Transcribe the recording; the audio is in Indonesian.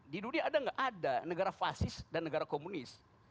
di dunia ada nggak ada negara fasis dan negara komunis